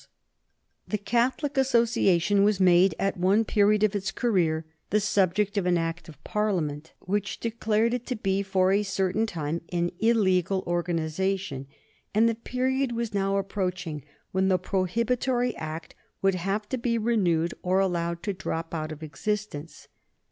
[Sidenote: O'Connell and the Parliamentary Oath] The Catholic Association was made, at one period of its career, the subject of an Act of Parliament which declared it to be, for a certain time, an illegal organization, and the period was now approaching when the prohibitory Act would have to be renewed or allowed to drop out of existence.